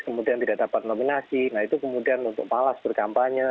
kemudian tidak dapat nominasi nah itu kemudian untuk malas berkampanye